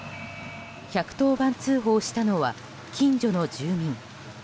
１１０番通報したのは近所の住民。